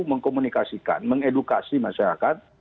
mengkomunikasikan mengedukasi masyarakat